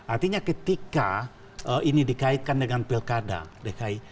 artinya ketika ini dikaitkan dengan pilkada dki